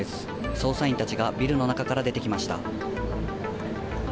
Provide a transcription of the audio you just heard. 捜査員たちがビルの中から出てきました。